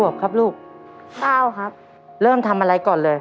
ว่าเมื่อบรรยายละเป็น